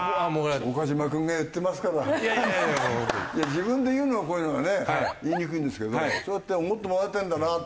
自分で言うのはこういうのはね言いにくいんですけどそうやって思ってもらえてるんだなって。